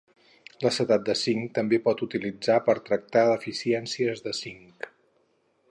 L'acetat de zinc també pot utilitzar per tractar deficiències de zinc.